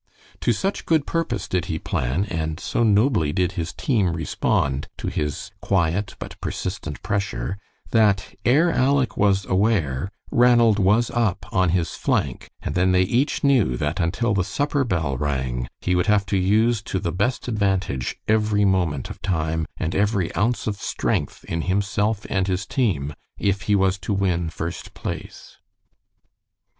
To such good purpose did he plan, and so nobly did his team respond to his quiet but persistent pressure, that, ere Aleck was aware, Ranald was up on his flank; and then they each knew that until the supper bell rang he would have to use to the best advantage every moment of time and every ounce of strength in himself and his team if he was to win first place.